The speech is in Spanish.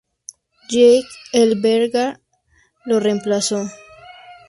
Jake Ellenberger lo reemplazó.